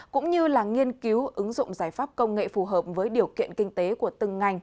cũng như là nghiên cứu ứng dụng giải pháp công nghệ phù hợp với điều kiện kinh tế của từng ngành